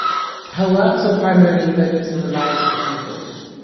Her works were primarily focused on the lives of people.